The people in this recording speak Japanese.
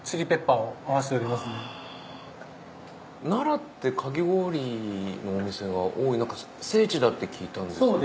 奈良ってかき氷のお店が多い聖地だって聞いたんですけど。